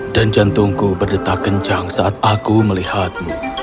dan jantungku berdetak kencang saat aku melihatmu